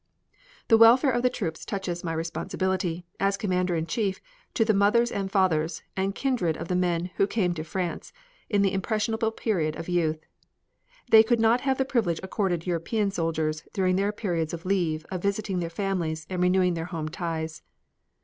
The welfare of the troops touches my responsibility, as Commander in Chief to the mothers and fathers and kindred of the men who came to France in the impressionable period of youth. They could not have the privilege accorded European soldiers during their periods of leave of visiting their families and renewing their home ties.